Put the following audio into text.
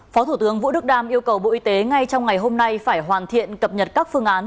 phó thủ tướng vũ đức đam yêu cầu bộ y tế ngay trong ngày hôm nay phải hoàn thiện cập nhật các phương án